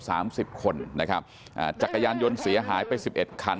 สามสิบคนนะครับอ่าจักรยานยนต์เสียหายไปสิบเอ็ดคัน